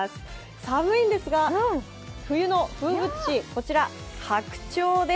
寒いんですが、冬の風物詩、白鳥です。